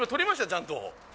ちゃんと。